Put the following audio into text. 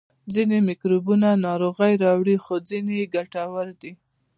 نه ځینې میکروبونه ناروغي راوړي خو ځینې یې ګټور دي